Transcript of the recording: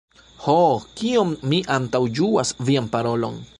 Ho, kiom mi antaŭĝuas vian parolon!